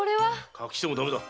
隠してもだめだ。